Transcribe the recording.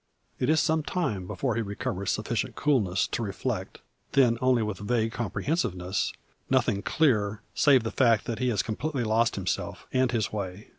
It is some time before he recovers sufficient coolness to reflect then only with vague comprehensiveness; nothing clear save the fact that he has completely lost himself, and his way.